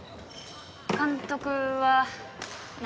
監督は何？